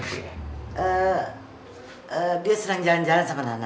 eh eh dia senang jalan jalan sama nana